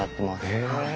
へえ。